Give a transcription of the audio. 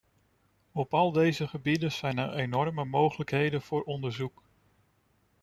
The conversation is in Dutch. Op al deze gebieden zijn er enorme mogelijkheden voor onderzoek.